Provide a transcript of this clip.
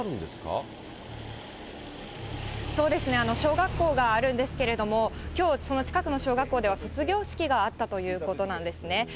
そうですね、小学校があるんですけれども、きょう、その近くの小学校では卒業式があったということなんですね。